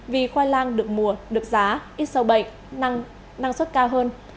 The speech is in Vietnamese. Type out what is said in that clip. vì khoai lang được mùa được giá ít sâu bệnh năng suất cao hơn